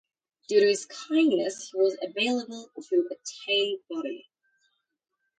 Due to his kindness, he was able to attain bodhi.